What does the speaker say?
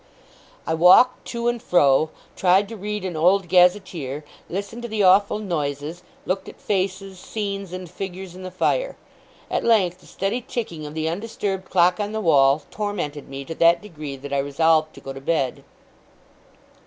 I walked to and fro, tried to read an old gazetteer, listened to the awful noises: looked at faces, scenes, and figures in the fire. At length, the steady ticking of the undisturbed clock on the wall tormented me to that degree that I resolved to go to bed.